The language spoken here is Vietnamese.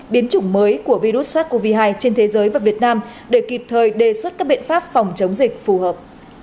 biến chủng mới của virus sars cov hai trên thế giới và việt nam để kịp thời đề xuất các biện pháp phòng chống dịch phù hợp